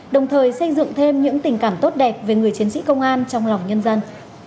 đồng thời xây dựng thêm những tình cảm tốt đẹp về người chiến sĩ công an trong lòng nhân dân